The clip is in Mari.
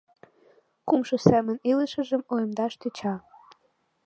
Кумшо семын илышыжым уэмдаш тӧча...